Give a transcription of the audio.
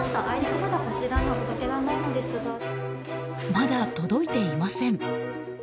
まだ届いていません。